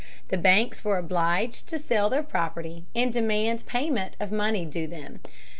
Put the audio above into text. The banks were obliged to sell their property and to demand payment of money due them.